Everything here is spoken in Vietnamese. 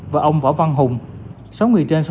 và ông võ văn hùng